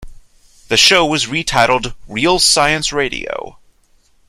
The show was re-titled "Real Science Radio".